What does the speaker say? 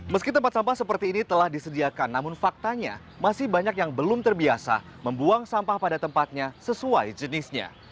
meski tempat sampah seperti ini telah disediakan namun faktanya masih banyak yang belum terbiasa membuang sampah pada tempatnya sesuai jenisnya